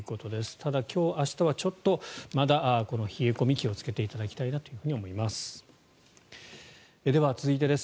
ただ、今日、明日はちょっとまだこの冷え込みに気をつけていただきたいなと思います。